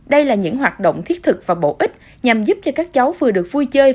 đây là những hoạt động thiết thực và bổ ích nhằm giúp cho các cháu vừa được vui chơi